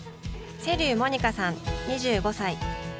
瀬立モニカさん、２５歳。